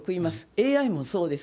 ＡＩもそうです。